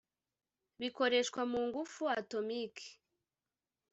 bikoreshwa mu ngufu atomiki